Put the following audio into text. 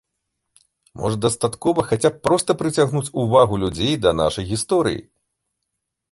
Можа, дастаткова хаця б проста прыцягнуць увагу людзей да нашай гісторыі?